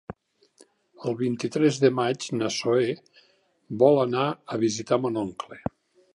El vint-i-tres de maig na Zoè vol anar a visitar mon oncle.